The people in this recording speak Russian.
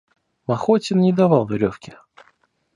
Махотин не давал веревки.